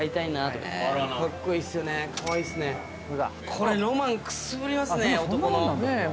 これロマンくすぐりますね男の。